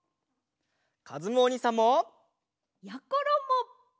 かずむおにいさんも！やころも！